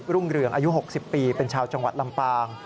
รุ่งเรืองอายุ๖๐ปีเป็นชาวจังหวัดลำปาง